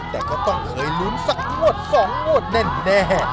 แต่ก็ต้องเคยลุ้นสักงวด๒งวดแน่